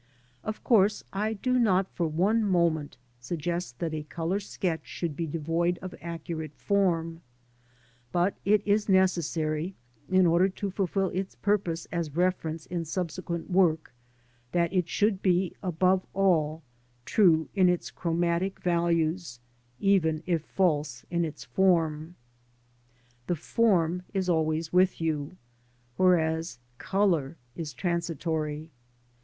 Of course I do not for one moment suggest that a colour sketch should be devoid of accurate form, but it is necessary, in order to fulfil its purpose as reference in subsequent work, that it should be, above all, true in its chromatic values, even if false in its form. The form is always with you, whereas colour is transitory.